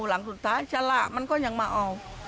หลังสุดท้ายชะละมันก็ยังมาเอา